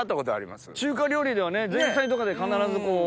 中華料理ではね前菜とかで必ず。